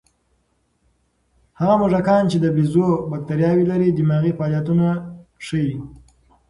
هغه موږکان چې د بیزو بکتریاوې لري، دماغي فعالیتونه ښيي.